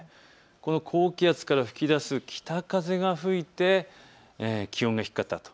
この高気圧から吹き出す北風が吹いて気温が低かったと。